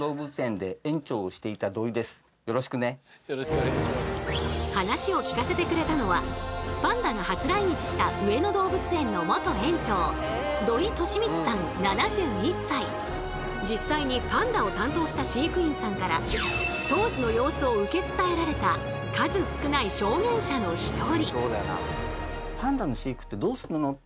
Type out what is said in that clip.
おお久々の話を聞かせてくれたのはパンダが初来日した実際にパンダを担当した飼育員さんから当時の様子を受け伝えられた数少ない証言者の一人。